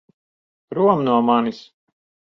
Prom no manis!